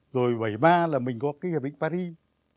rồi bảy mươi ba là mình có cái hệ bệnh paris